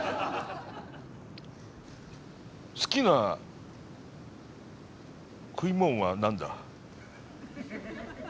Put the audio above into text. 好きな食いもんは何だ？